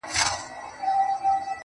هیله ده چې له خوښیو ډک اختر ولری